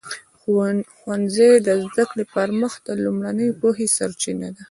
ښوونځی د زده کړې پر مخ د لومړنیو پوهې سرچینه ده.